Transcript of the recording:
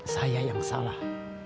saya yang salah